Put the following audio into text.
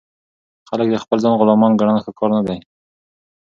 خلک د خپل ځان غلامان ګڼل ښه کار نه دئ.